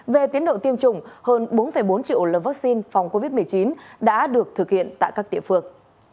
về tiến độ tiêm chủng hơn bốn bốn triệu liều vaccine phòng covid một mươi chín đã được thực hiện tại các địa phương